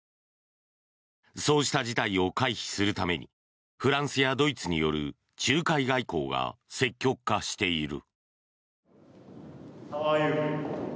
そうした事態を回避するためにフランスやドイツによる仲介外交が積極化している。